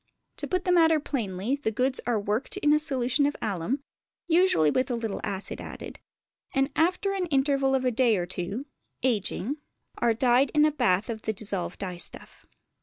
To put the matter plainly, the goods are worked in a solution of alum (usually with a little acid added), and after an interval of a day or two (ageing) are dyed in a bath of the dissolved dye stuff.